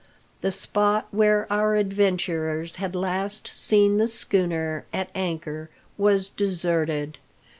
The spot where our adventurers had last seen the schooner at anchor was deserted.